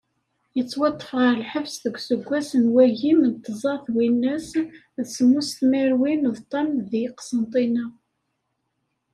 Yettwaṭṭef ɣer lḥebs deg useggas n wagim d tẓa twinas d semmus tmerwin d ṭam di Qsentina.